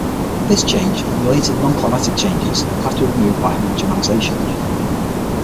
This change, and related non-climatic changes, have to be removed by homogenization.